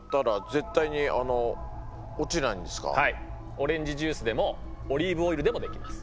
オレンジジュースでもオリーブオイルでもできます。